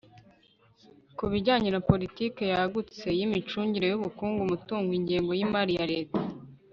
ku bijyanye na politiki yagutse y'imicungire y'ubukungu, umutungo, ingengo y'imali ya leta